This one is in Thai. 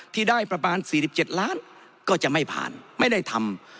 ที่ได้ประมาณ๔๗ล้านก็จะไม่ผ่านไม่ได้ทำ